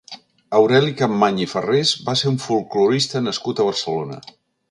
Aureli Capmany i Farrés va ser un folklorista nascut a Barcelona.